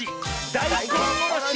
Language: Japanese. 「だいこんおろし」！